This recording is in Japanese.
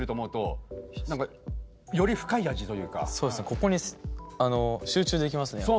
ここに集中できますねやっぱ。